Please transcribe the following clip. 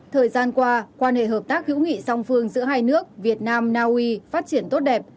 thời gian qua quan hệ hợp tác hữu nghị song phương giữa hai nước việt nam naui phát triển tốt đẹp